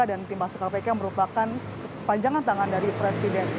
dan tim pansel kpk merupakan panjang tangan dari presiden